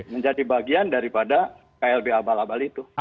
menjadi bagian daripada klb abal abal itu